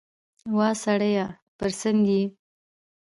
وا سړیه پر سد یې ؟